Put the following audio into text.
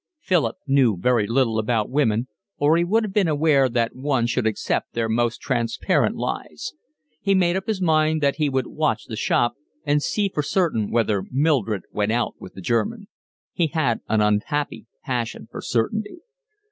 Philip knew very little about women, or he would have been aware that one should accept their most transparent lies. He made up his mind that he would watch the shop and see for certain whether Mildred went out with the German. He had an unhappy passion for certainty.